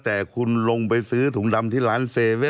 แต่คุณลงไปซื้อถุงดำที่ร้าน๗๑๑